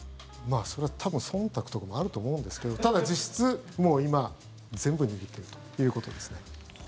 それは多分そんたくとかもあると思うんですけどただ実質、もう今全部握ってるということですね。